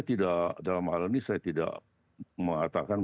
tidak dalam hal ini saya tidak mengatakan